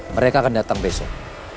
mereka akan datang besok